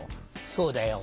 そうだよ。